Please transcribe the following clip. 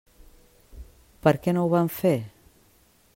Per què no ho van fer?